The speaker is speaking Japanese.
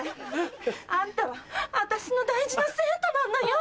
あんたは私の大事な生徒なんだよ！